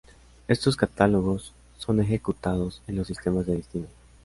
Estos catálogos son ejecutados en los sistemas de destino.